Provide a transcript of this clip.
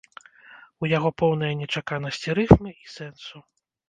У яго поўная нечаканасць і рыфмы, і сэнсу.